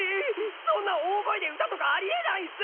そんな大声で歌とかありえないす！！